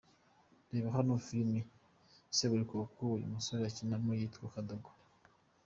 Reba hano filime seburikoko uyu musore akinamo yitwa Kadogo.